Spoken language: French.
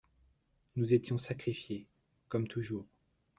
Nous étions sacrifiées… comme toujours !